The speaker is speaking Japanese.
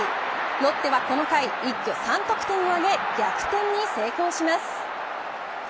ロッテはこの回一挙３得点を挙げ逆転に成功します。